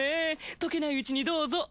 溶けないうちにどうぞ。